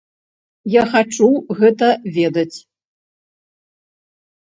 Я хачу гэта ведаць.